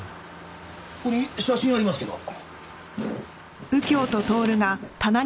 ここに写真ありますけど。